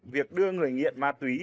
việc đưa người nghiện ma túy